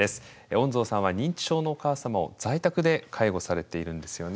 恩蔵さんは認知症のお母様を在宅で介護されているんですよね。